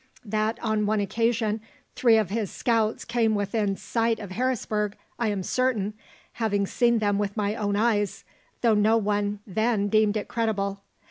That on one occasion three of his scouts came within sight of Harrisburg I am certain, having seen them with my own eyes, though no one then deemed it credible.